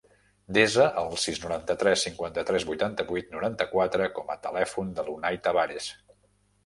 Desa el sis, noranta-tres, cinquanta-tres, vuitanta-vuit, noranta-quatre com a telèfon de l'Unai Tabares.